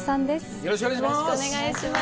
よろしくお願いします。